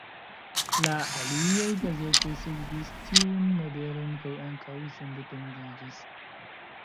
La aliaj gazetoj sekvis tiun modelon kaj ankaŭ sendependiĝis.